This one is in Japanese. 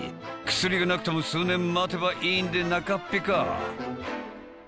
薬がなくても数年待てばいいんでなかっぺか？